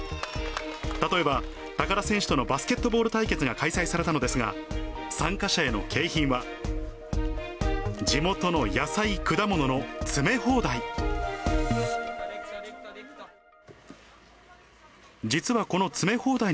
例えば、高田選手とのバスケットボール対決が開催されたのですが、参加者への景品は、地元の野菜、果物の詰め放題。